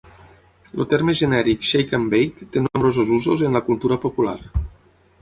El terme genèric "Shake and Bake" té nombrosos usos en la cultura popular.